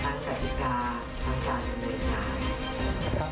ทั้งกฎิกาทั้งการยืนในการ